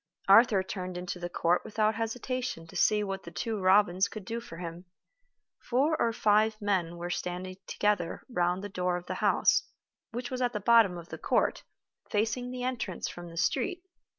Arthur turned into the court without hesitation to see what The Two Robins could do for him. Four or five men were standing together round the door of the house, which was at the bottom of the court, facing the entrance from the street.